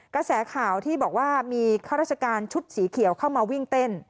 กระแสข่าวที่บอกว่ามีข้าราชการชุดสีเขียวเข้ามาวิ่งเต้น